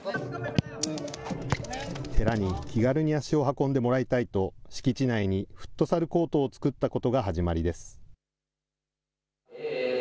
寺に気軽に足を運んでもらいたいと、敷地内にフットサルコートを作ったことが始まりです。